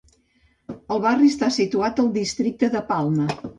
El barri està situat al districte de Palma.